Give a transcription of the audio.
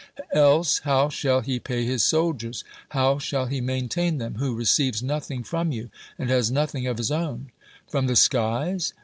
Else how shall he pay his soldiers? how shall he maintain them, who receives nothing from you, and has nothing of his own? From the skies?